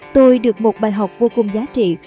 tôi được một bài học vô cùng giá trị